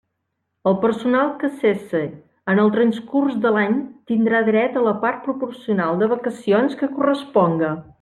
El personal que cesse en el transcurs de l'any tindrà dret a la part proporcional de vacacions que corresponga.